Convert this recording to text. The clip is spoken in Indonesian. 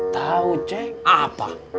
tau ceh apa